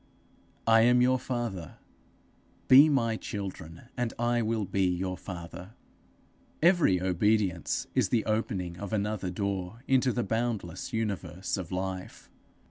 'I am your father; be my children, and I will be your father.' Every obedience is the opening of another door into the boundless universe of life.